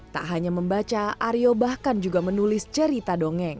tak hanya membaca aryo bahkan juga menulis cerita dongeng